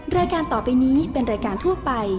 รายการต่อไปนี้เป็นรายการทั่วไป